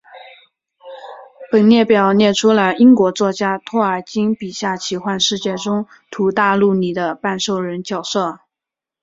本列表列出了英国作家托尔金笔下奇幻世界中土大陆里的半兽人角色。